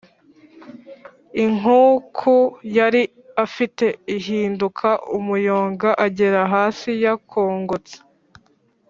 inkuku yali afite ihinduka umuyonga agera hasi yakongotse